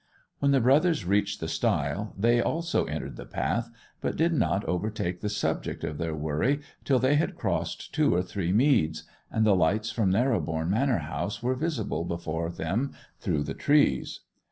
When the brothers reached the stile they also entered the path, but did not overtake the subject of their worry till they had crossed two or three meads, and the lights from Narrobourne manor house were visible before them through the trees.